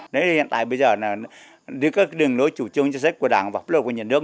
đến hiện tại bây giờ đường đối chủ trương chính sách của đảng và pháp luật của nhà nước